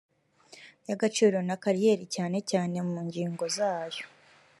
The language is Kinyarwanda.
y agaciro na kariyeri cyane cyane mu ngingozayo